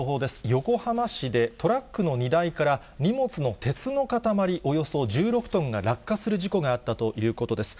横浜市で、トラックの荷台から荷物の鉄の塊およそ１６トンが落下する事故があったということです。